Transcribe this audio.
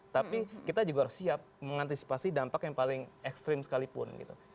tapi kita juga harus siap mengantisipasi dampak yang paling ekstrim sekalipun gitu